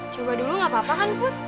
coba dulu gak apa apa kan put